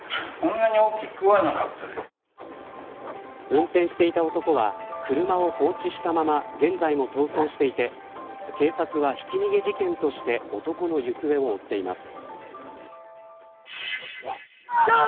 運転していた男は車を放置したまま現在も逃走していて警察は、ひき逃げ事件として男の行方を追っています。